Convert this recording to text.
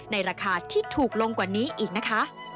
ราคาที่ถูกลงกว่านี้อีกนะคะ